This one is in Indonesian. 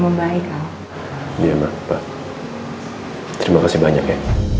membaik ya iya ma pa terima kasih banyak ya